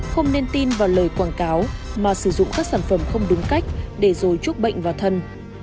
không nên tin vào lời quảng cáo mà sử dụng các sản phẩm không đúng cách để rồi trúc bệnh vào thân